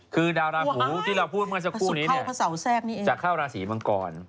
คือดาวราหูที่เราพูดเมื่อสักครู่นี้เนี่ยจะเข้าราศีมังกร